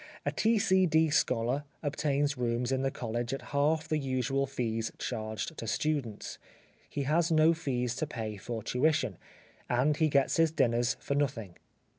A T.C.D. scholar obtains rooms in college at half the usual fees charged to students. He has no fees to pay for tuition, and he gets his dinners for nothing.